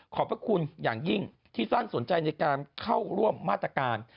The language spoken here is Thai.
พระคุณอย่างยิ่งที่สั้นสนใจในการเข้าร่วมมาตรการ